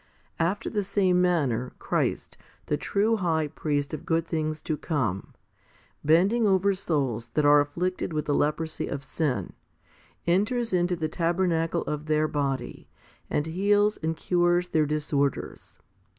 After the same manner, Christ, the true high priest of good things to come, 2 bending over souls that are afflicted with the leprosy of sin, enters into the tabernacle of their body, and heals and cures their disorders.